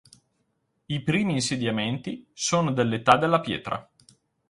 I primi insediamenti sono dell'età della pietra.